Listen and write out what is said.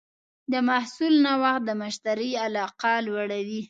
د محصول نوښت د مشتری علاقه لوړوي.